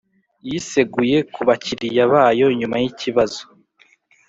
yiseguye ku bakiliya bayo nyuma y’ikibazo